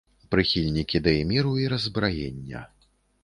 Прыхільнік ідэй міру і раззбраення.